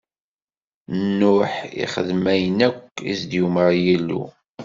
Nuḥ ixdem ayen akk i s-d-yumeṛ Yillu.